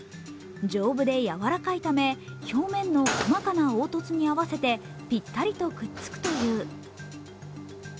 丈夫で柔らかいため、表面の細かな凹凸に合わせてぴったりとくっつくという。